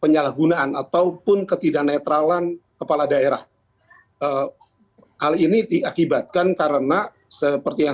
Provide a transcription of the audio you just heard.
penyalahgunaan ataupun ketidak netralan kepala daerah hal ini diakibatkan karena seperti yang